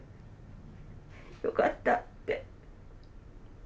よかったって。